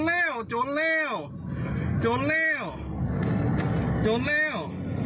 แล้วจนแล้วจนแล้วจนแล้ว